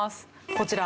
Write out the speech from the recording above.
こちら。